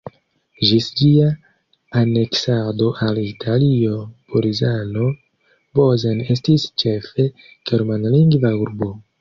Ĝis ĝia aneksado al Italio Bolzano-Bozen estis ĉefe germanlingva urbo.